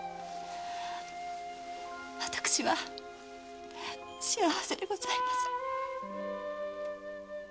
私は幸せでございます。